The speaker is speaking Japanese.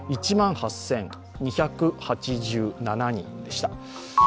１万８２８７人でした。